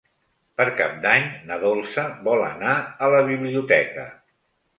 Per Cap d'Any na Dolça vol anar a la biblioteca.